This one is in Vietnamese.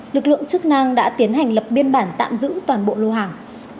lực lượng chức năng đã tiến hành lập biên bản tạm giữ toàn bộ lô hàng